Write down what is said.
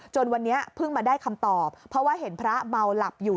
วันนี้เพิ่งมาได้คำตอบเพราะว่าเห็นพระเมาหลับอยู่